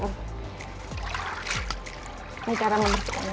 ini cara memasukkannya